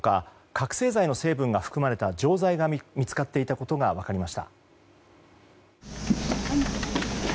覚醒剤の成分が含まれた錠剤が見つかっていたことが分かりました。